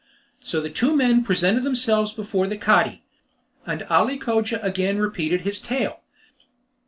So the two men presented themselves before the Cadi, and Ali Cogia again repeated his tale.